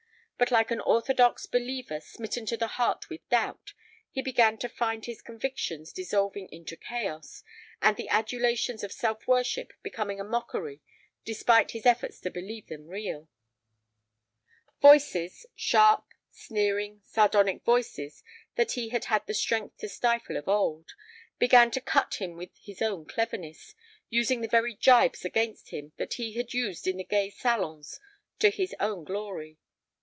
But, like an orthodox believer smitten to the heart with doubt, he began to find his convictions dissolving into chaos, and the adulations of self worship becoming a mockery despite his efforts to believe them real. Voices—sharp, sneering, sardonic voices that he had had the strength to stifle of old—began to cut him with his own cleverness, using the very gibes against him that he had used in the gay salons to his own glory.